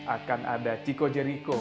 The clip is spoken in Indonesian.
akan ada chico jericho